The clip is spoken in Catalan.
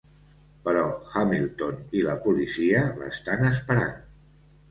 Però Hamilton i la policia l'estan esperant.